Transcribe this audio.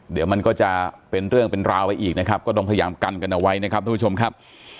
เดี๋ยวมันก็จะเป็นเรื่องเป็นราวไปอีกนะครับก็ต้องพยายามกันกันเอาไว้นะครับทุกผู้ชมครับ